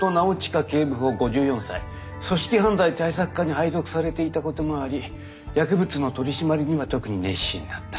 組織犯罪対策課に配属されていたこともあり薬物の取締りには特に熱心だった。